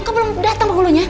kok belum datang penghulunya